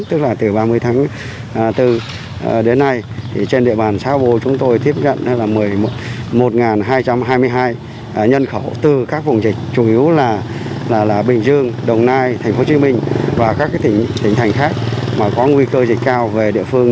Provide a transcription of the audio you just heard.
tình đến nay trên địa bàn xã yà pô có một mươi hai trường hợp dương tính với covid một mươi chín